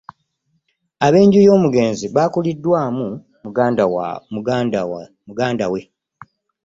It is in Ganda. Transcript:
Ab'enju y'omugenzi bakuliddwamu muganda we